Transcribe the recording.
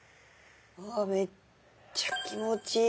うわめっちゃ気持ちいい。